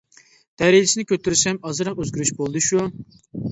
دەرىجىسىنى كۆتۈرسەم ئازراق ئۆزگىرىش بولدى شۇ!